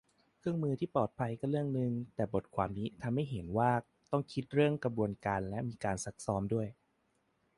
เครื่องมือที่ปลอดภัยก็เรื่องนึง แต่บทความนี้ทำให้เห็นว่าต้องคิดเรื่องกระบวนการและมีการซักซ้อมด้วย